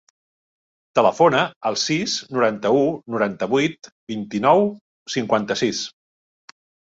Telefona al sis, noranta-u, noranta-vuit, vint-i-nou, cinquanta-sis.